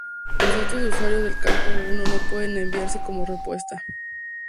Los datos de usuario del campo I no pueden enviarse como respuesta.